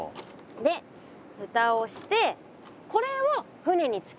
でふたをしてこれを船につけるの。